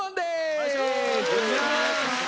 お願いします！